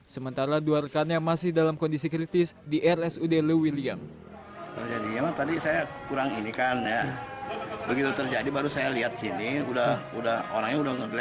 sementara dua rekannya masih dalam kondisi kritis di rsud lewiliang